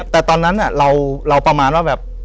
แต่ตอนนั้นเราประมาณว่าแบบ